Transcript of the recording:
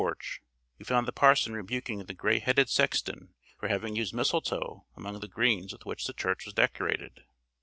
] On reaching the church porch, we found the parson rebuking the gray headed sexton for having used mistletoe among the greens with which the church was decorated.